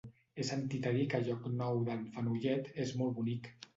He sentit a dir que Llocnou d'en Fenollet és molt bonic.